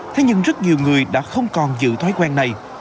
thế nhưng rất nhiều người đã không còn giữ thói quen này